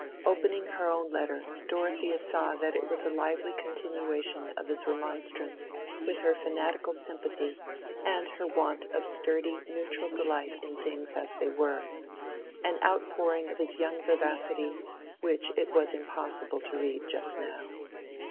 Opening her own letter Dorothea saw that it was a lively continuation of his remonstrance with her fanatical sympathy and her want of sturdy neutral delight in things as they were—an outpouring of his young vivacity which it was impossible to read just now.